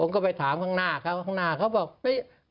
ในจากนึกโดนแน่นอน